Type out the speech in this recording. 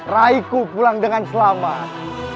raiku pulang dengan selamat